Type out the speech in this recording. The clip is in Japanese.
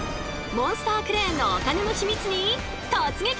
モンスタークレーンのお金のヒミツに突撃！